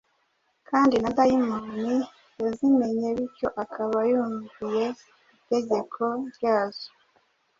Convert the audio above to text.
kandi na dayimoni yazimenye bityo akaba yumviye itegeko ryazo.